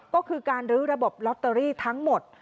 ก็คือการลื้อระบบลอตเตอรี่ทั้งหมด